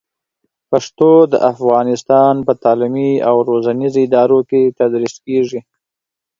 پښتو د افغانستان په تعلیمي او روزنیزو ادارو کې تدریس کېږي.